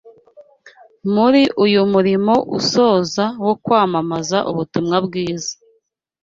Muri uyu murimo usoza wo kwamamaza ubutumwa bwiza